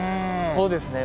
そうですね